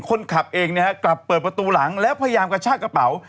คนขับเองนะฮะกลับเปิดประตูหลังแล้วพยายามกระชากระเป๋า